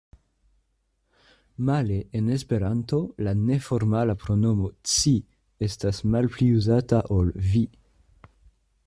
Male en Esperanto, la neformala pronomo „ci“ estas malpli uzata ol „vi“.